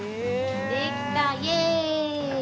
できたイエーイ！